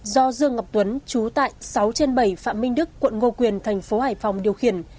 một mươi bốn nghìn sáu trăm hai mươi bảy do dương ngọc tuấn chú tại sáu trên bảy phạm minh đức quận ngô quyền thành phố hải phòng điều khiển